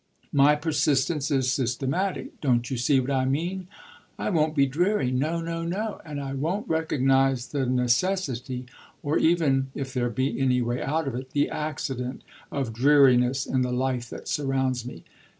"My persistence is systematic: don't you see what I mean? I won't be dreary no, no, no; and I won't recognise the necessity, or even, if there be any way out of it, the accident, of dreariness in the life that surrounds me.